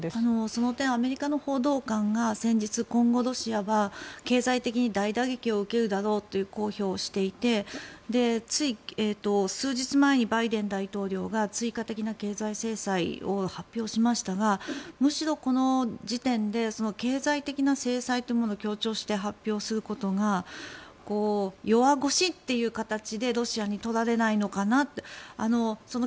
その点アメリカの報道官が先日、今後ロシアは経済的に大打撃を受けるだろうという公表をしていてつい数日前にバイデン大統領が追加的な経済制裁を発表しましたがむしろ、この時点で経済的な制裁というものを強調して発表することが弱腰という形でロシアに取られないのかなって。